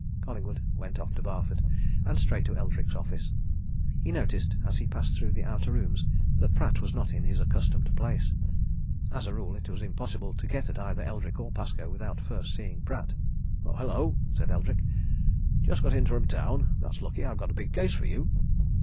Collingwood went off to Barford, and straight to Eldrick's office. He noticed as he passed through the outer rooms that Pratt was not in his accustomed place as a rule, it was impossible to get at either Eldrick or Pascoe without first seeing Pratt. "Hullo!" said Eldrick. "Just got in from town? That's lucky I've got a big case for you."